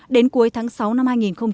đến cuối tháng sáu năm hai nghìn hai mươi